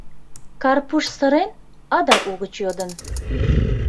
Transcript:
Карпуш сырен, адак угыч йодын: